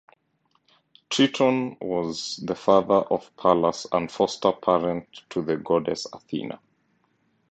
Triton was the father of Pallas and foster parent to the goddess Athena.